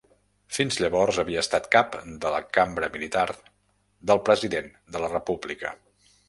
Fins llavors havia estat cap de la Cambra militar del President de la República.